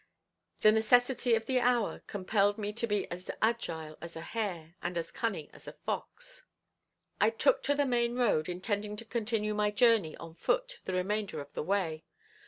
The necessity of the hour compelled me to be as agile as a hare and as cunning as a fox. I took to the main road intending to continue my journey on foot the remainder of the way.